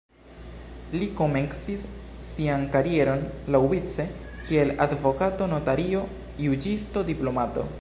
Li komencis sian karieron laŭvice kiel advokato, notario, juĝisto, diplomato.